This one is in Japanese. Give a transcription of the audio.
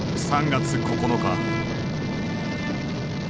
３月９日。